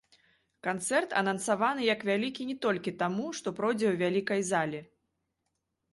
Канцэрт анансаваны як вялікі не толькі таму, што пройдзе ў вялікай залі.